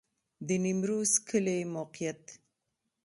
د نیمروز کلی موقعیت